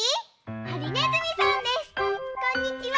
こんにちは。